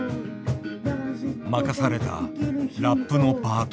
任されたラップのパート。